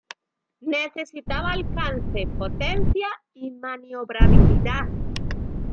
Necesitaba alcance, potencia y maniobrabilidad.